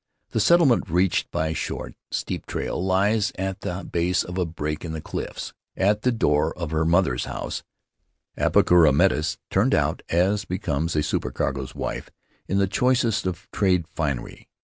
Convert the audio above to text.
The settlement, reached by a short, steep trail, lies at the base of a break in the cliffs. At the door of her mother's house Apakura met us — turned out, as becomes a supercargo's wife, in the choicest of trade finery.